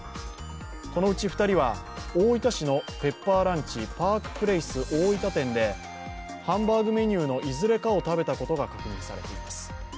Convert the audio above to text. このうち二人は大分市のペッパーランチパークプレイス大分店でハンバーグメニューのいずれかを食べたことが確認されています。